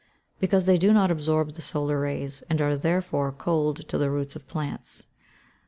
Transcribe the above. _ Because they do not absorb the solar rays, and are therefore cold to the roots of plants.